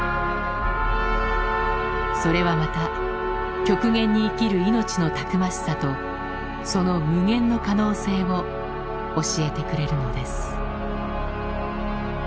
それはまた極限に生きる命のたくましさとその無限の可能性を教えてくれるのです。